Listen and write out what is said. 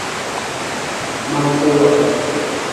Ma kuwa.